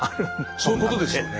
そういうことですよね。